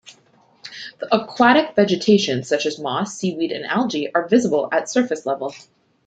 The aquatic vegetation such as moss, seaweed and algae are visible at surface level.